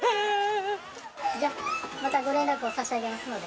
じゃあまたご連絡を差し上げますので。